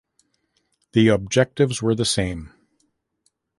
The objectives were the same.